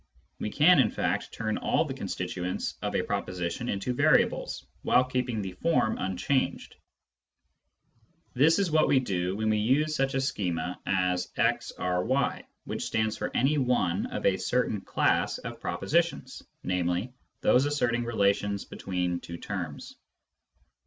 We can, in fact, turn all the constituents of a proposition into variables, while keeping the form unchanged. This is what we do when we use such a schema as "* R y," which stands for any Mathematics and Logic 199 one of a certain class of propositions, namely, those asserting relations between two terms.